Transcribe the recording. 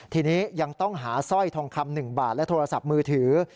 ทีนี้ยังต้องหาสร้อยทองคำ๑บาทและโทรศัพท์มือถือ